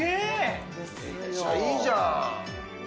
めっちゃいいじゃん。